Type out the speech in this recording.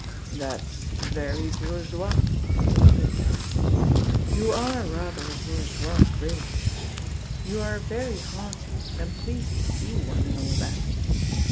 "That's very bourgeois," said the Princess. "You are rather a bourgeois race. You are very hearty, and pleased to see one, and all that.